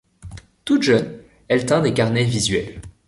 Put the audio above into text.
Toute jeune, elle tint des carnets visuels.